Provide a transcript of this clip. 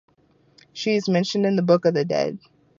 She is mentioned in the Book of the Dead.